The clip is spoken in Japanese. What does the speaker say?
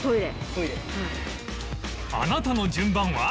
あなたの順番は？